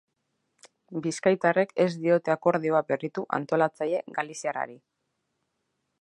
Bizkaitarrek ez diote akordioa berritu antolatzaile galiziarrari.